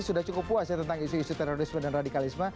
sudah cukup puas ya tentang isu isu terorisme dan radikalisme